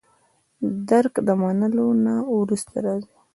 درک د منلو نه وروسته راځي.